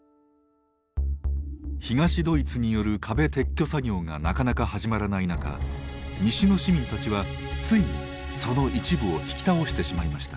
東ドイツによる壁撤去作業がなかなか始まらない中西の市民たちはついにその一部を引き倒してしまいました。